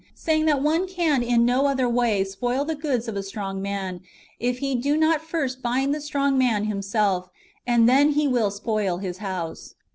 saying that one can in no other ^Yay " spoil the goods of a strong man, if he do not first bind the strong man himself, and then he will spoil his house."